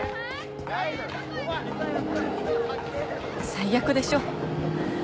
最悪でしょ？